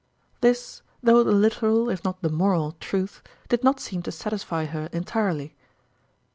This though the literal, if not the moral, truth did not seem to satisfy her entirely.